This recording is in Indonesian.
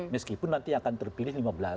meskipun nanti akan terpilih lima belas